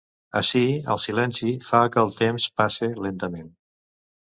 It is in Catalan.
Ací, el silenci, fa que el temps passe lentament.